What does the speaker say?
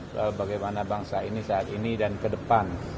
soal bagaimana bangsa ini saat ini dan ke depan